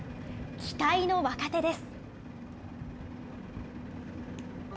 期待の若手です。